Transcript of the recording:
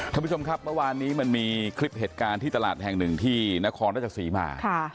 ท่านผู้ชมครับเมื่อวานนี้มันมีคลิปเหตุการณ์ที่ตลาดแห่งหนึ่งที่นครราชศรีมา